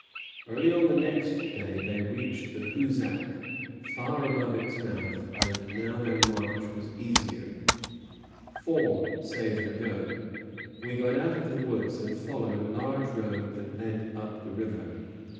Early on the next day they reached the Hoosac, far above its mouth; and now their march was easier, "for," says Rigaud, "we got out of the woods and followed a large road that led up the river."